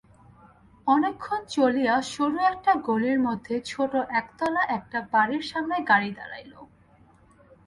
অনেকক্ষণ চলিয়া সরু একটা গলির মধ্যে ছোট একতলা একটা বাড়ির সামনে গাড়ি দাড়াইল।